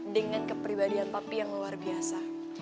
dengan kepribadian papi yang luar biasa